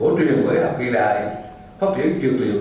hỗ truyền hội học kỳ đại phát triển dược liệu